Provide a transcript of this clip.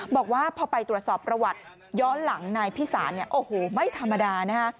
บอกว่าพอไปตรวจสอบประวัติย้อนหลังนายพิสารเนี่ยโอ้โหไม่ธรรมดานะฮะ